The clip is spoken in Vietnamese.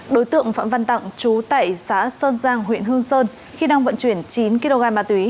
đối tượng phạm văn tặng chú tại xã sơn giang huyện hương sơn khi đang vận chuyển chín kg ma túy